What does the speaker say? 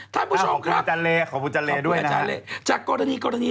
ทำไมเป็นผู้ชายสักกิ้วทำไม